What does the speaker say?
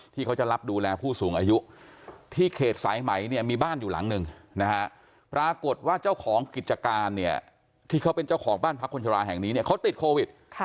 ที่เขาจะรับดูแลผู้สูงอายุที่เขตสายไหมเนี่ยมีบ้านอยู่หลังหนึ่งนะฮะปรากฏว่าเจ้าของกิจการเนี่ยที่เขาเป็นเจ้าของบ้านพักคนชราแห่งนี้เนี่ยเขาติดโควิด